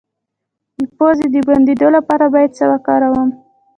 د پوزې د بندیدو لپاره باید څه وکاروم؟